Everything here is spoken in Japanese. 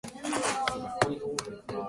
おい、お前天才だな！